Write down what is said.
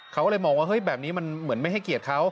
เขาก็เลยมองว่าเฮ้ยแบบนี้มันเหมือนไม่ให้เกียรติเขา